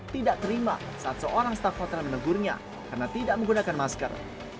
tidak terima saat seorang staf hotel menegurnya karena tidak menggunakan masker